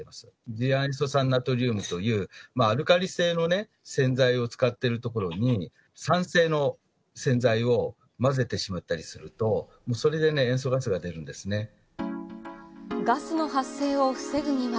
次亜塩素酸ナトリウムという、アルカリ性の洗剤を使っているところに、酸性の洗剤を混ぜてしまったりすると、それで塩素ガスが出るんでガスの発生を防ぐには。